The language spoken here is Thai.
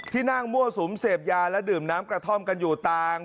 นั่งมั่วสุมเสพยาและดื่มน้ำกระท่อมกันอยู่ต่าง